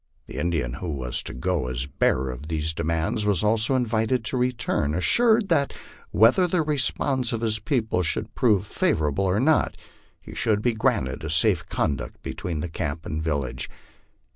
The Indian who was to go as bearer of these demands was also invited to return, assured that whether the response of his people should prove favora ble or not, he should be granted a safe conduct between the camp and the vil lage.